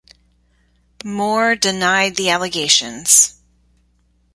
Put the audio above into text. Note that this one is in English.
Moore denied the allegations.